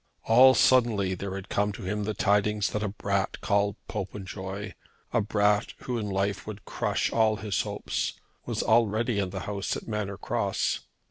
All suddenly there had come to him the tidings that a brat called Popenjoy, a brat who in life would crush all his hopes, was already in the house at Manor Cross!